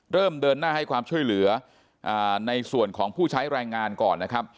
เริ่มเดินหน้าให้ความช่วยเหลือในส่วนของผู้ใช้แรงงานก่อนนะครับ